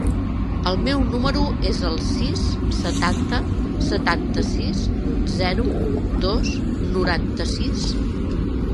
El meu número es el sis, setanta, setanta-sis, zero, dos, noranta-sis.